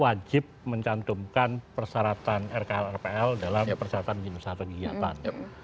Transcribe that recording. wajib mencantumkan persyaratan rk rpl dalam persyaratan menjadi satu kegiatan